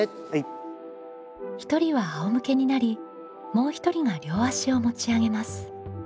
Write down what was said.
１人は仰向けになりもう一人が両足を持ち上げます。